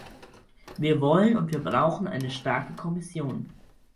Wir wollen und wir brauchen eine starke Kommission!